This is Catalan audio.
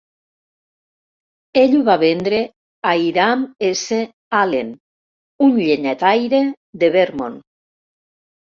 Ell ho va vendre a Hiram S. Allen, un llenyataire de Vermont.